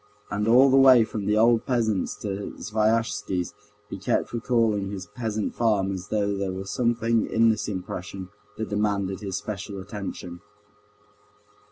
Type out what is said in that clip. And all the way from the old peasant's to Sviazhsky's he kept recalling this peasant farm as though there were something in this impression that demanded his special attention.